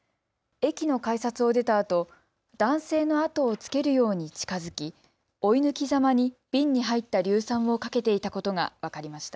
駅の改札を出たあと男性の後をつけるように近づき追い抜きざまに瓶に入った硫酸をかけていたことが分かりました。